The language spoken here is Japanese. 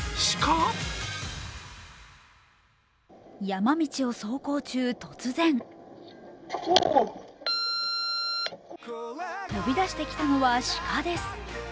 山道を走行中、突然飛び出してきたのは鹿です。